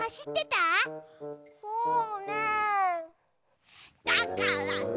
そうねえだからさ！